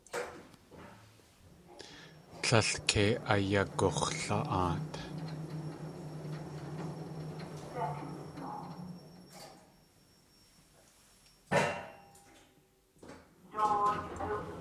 Tlél kei ayagux̲la.aat.